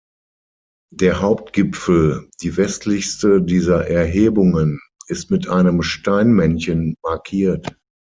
Der Hauptgipfel, die westlichste dieser Erhebungen, ist mit einem Steinmännchen markiert.